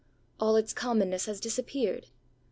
All its commonness has disappeared.